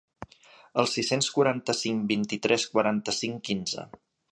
Al sis-cents quaranta-cinc vint-i-tres quaranta-cinc quinze.